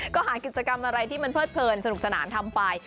ก็หากิจกรรมอะไรที่มันเพลิดเพลินสนุกสนานทำไป